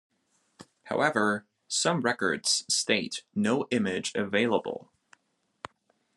However, some records state 'no image available'.